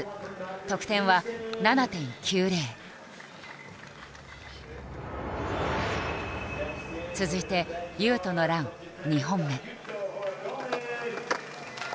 得点は続いて雄斗のラン２本目。